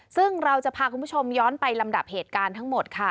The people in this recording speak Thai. ซึ่งเราจะพาคุณผู้ชมย้อนไปลำดับเหตุการณ์ทั้งหมดค่ะ